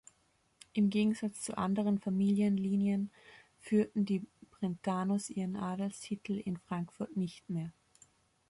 Im Gegensatz zu anderen Familienlinien führten die Brentanos ihren Adelstitel in Frankfurt nicht mehr.